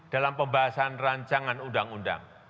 dalam pembahasan rancangan undang undang